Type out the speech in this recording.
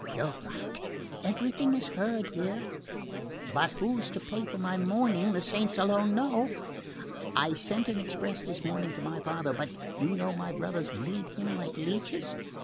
You're right. Everything is heard here. But who's to pay for my mourning the saints alone know! I sent an express this morning to my father, but you know my brothers bleed him like leeches.